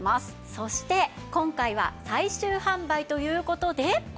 そして今回は最終販売という事でこちら！